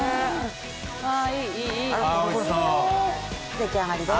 出来上がりです。